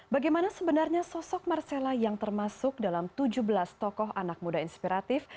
bagaimana sebenarnya sosok marcella yang termasuk dalam tujuh belas tokoh anak muda inspiratif